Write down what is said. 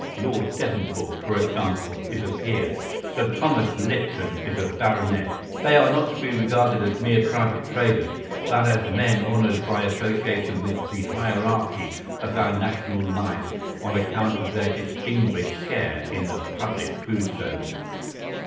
Lord Devonport, for example, is a peer; Sir Thomas Lipton is a baronet; they are not to be regarded as mere private traders, but as men honoured by association with the hierarchy of our national life on account of their distinguished share in the public food service.